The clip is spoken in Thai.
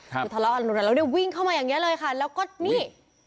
ครับแล้วเนี่ยวิ่งเข้ามาอย่างเงี้ยเลยค่ะแล้วก็นี่